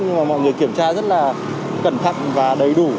nhưng mà mọi người kiểm tra rất là cẩn thận và đầy đủ